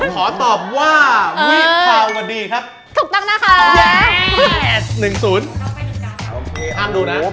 ขอตอบว่าวิภาวดีครับ